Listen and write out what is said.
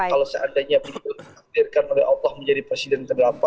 kalau seandainya beliau ditakdirkan oleh allah menjadi presiden ke delapan